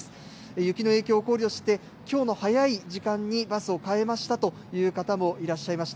雪の影響を考慮してきょうの早い時間にバスを変えましたという方もいらっしゃいました。